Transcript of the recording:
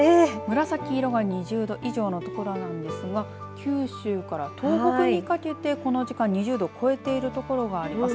紫色が２０度以上の所なんですが九州から東北にかけてこの時間２０度を超えている所があります。